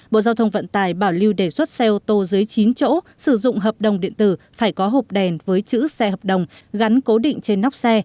bộ giao thông vận tải bảo lưu đề xuất xe ô tô dưới chín chỗ sử dụng hợp đồng điện tử phải có hộp đèn với chữ xe hợp đồng gắn cố định trên nóc xe